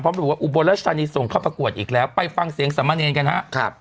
พร้อมดูว่าอุโบราชธานีส่งเข้าประกวดอีกแล้วไปฟังเสียงสมาเนงกันฮะ